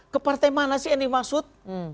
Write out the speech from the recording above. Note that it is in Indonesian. ke partai mana sih yang dimaksud